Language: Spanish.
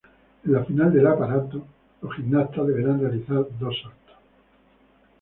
En la final del aparato, los gimnastas deberán realizar dos saltos.